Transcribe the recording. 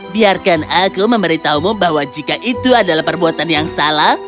biarkan aku memberitahumu bahwa jika itu adalah perbuatan yang salah